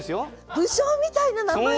武将みたいな名前だ！